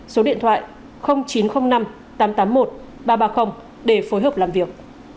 số điện thoại chín trăm linh năm tám trăm tám mươi một ba trăm ba mươi để phối hợp làm việc